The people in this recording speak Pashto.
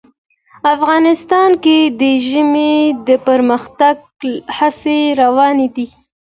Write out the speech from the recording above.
افغانستان کې د ژمی د پرمختګ هڅې روانې دي.